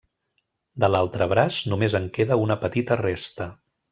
De l'altre braç, només en queda una petita resta.